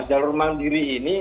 jalur mandiri ini